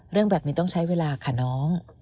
เรื่องแบบนี้ต้องใช้เวลาค่ะน้อง